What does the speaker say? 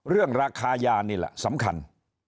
เรื่องราคายานี่แหละสำคัญ